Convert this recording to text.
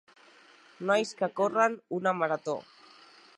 Nois que corren una marató.